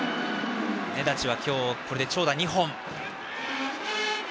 根立は今日これで長打２本。